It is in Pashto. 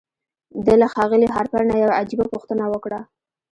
ده له ښاغلي هارپر نه يوه عجيبه پوښتنه وکړه.